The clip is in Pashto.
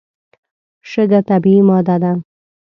شګه طبیعي ماده ده.